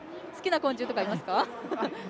好きな昆虫とかいますか？